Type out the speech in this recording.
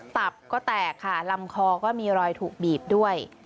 ตับก็แตกค่ะลำคอก็มีรอยถูกบีบด้วย